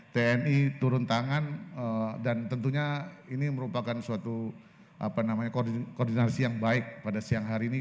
tni turun tangan dan tentunya ini merupakan suatu koordinasi yang baik pada siang hari ini